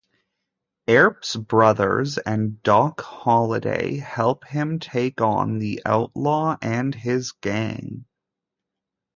Earp's brothers and Doc Holliday help him take on the outlaw and his gang.